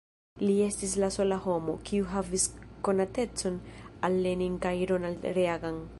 Li estis la sola homo, kiu havis konatecon al Lenin kaj Ronald Reagan.